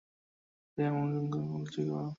খাদ্য ও ব্যায়ামের গুরুতর প্রশ্নটি উল্লেখযোগ্য।